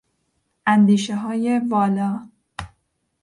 اندیشههای والا